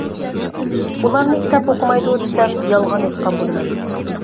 ئۇلارنى كىتاب ئوقۇمايدۇ دېسەم يالغان ئېيتقان بولىمەن.